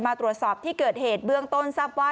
มาตรวจสอบที่เกิดเหตุเบื้องต้นทราบว่า